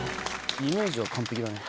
イメージは完璧だね。